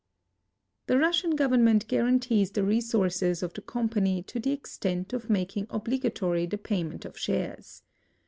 The Russian government guarantees the resources of the com pany to the extent of making obligatory the payment of shares.